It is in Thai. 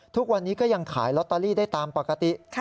ทุกวันนี้ก็ยังขายลอตเตอรี่ได้ตามปกติ